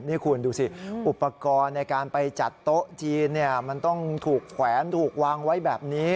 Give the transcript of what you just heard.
นี่คุณดูสิอุปกรณ์ในการไปจัดโต๊ะจีนมันต้องถูกแขวนถูกวางไว้แบบนี้